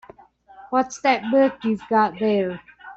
What's that book you've got there?